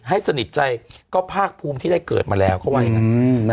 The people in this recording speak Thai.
ให้สนิทใจก็ภาคภูมิที่ได้เกิดมาแล้วเขาไหว้นะ